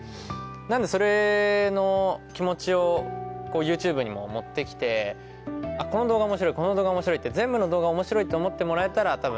なのでそれの気持ちをＹｏｕＴｕｂｅにも持って来てこの動画面白いこの動画面白いって。って思ってもらえたら。